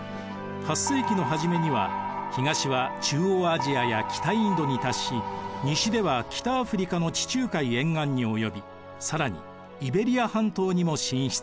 ８世紀の初めには東は中央アジアや北インドに達し西では北アフリカの地中海沿岸に及び更にイベリア半島にも進出。